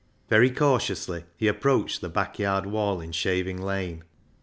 Very cautiously he approached the backyard wall in Shaving Lane.